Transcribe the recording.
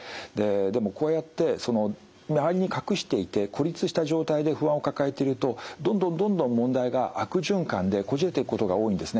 でもこうやって周りに隠していて孤立した状態で不安を抱えているとどんどんどんどん問題が悪循環でこじれていくことが多いんですね。